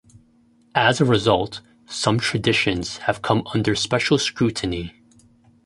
As a result, some traditions have come under special scrutiny.